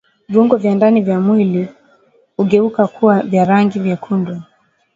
Viungo vya ndani ya mwili hugeuka kuwa vya rangi vyekundu